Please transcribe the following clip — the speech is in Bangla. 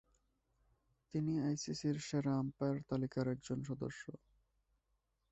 তিনি আইসিসি’র সেরা আম্পায়ার তালিকার একজন সদস্য।